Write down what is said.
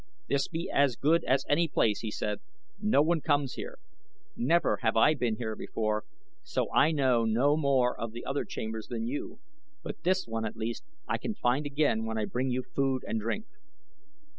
"This be as good as any place," he said. "No one comes here. Never have I been here before, so I know no more of the other chambers than you; but this one, at least, I can find again when I bring you food and drink.